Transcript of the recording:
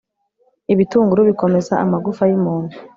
ibitunguru bikomeza amagufa y'umuntu